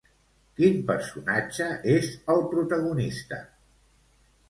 Quin personatge és el protagonista?